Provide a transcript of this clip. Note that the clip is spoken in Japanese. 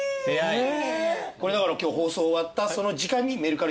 これだから今日放送終わったその時間に。